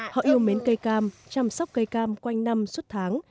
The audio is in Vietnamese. họ yêu mến cây cam chăm sóc cây cam quanh năm suốt tháng